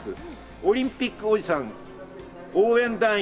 オリンピックおじさん応援団員